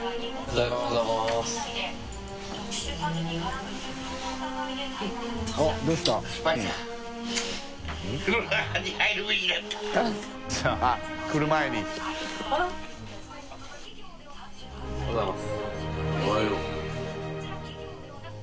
谷口Ｄ）おはようございます。